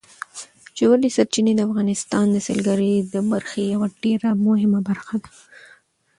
ژورې سرچینې د افغانستان د سیلګرۍ د برخې یوه ډېره مهمه برخه ده.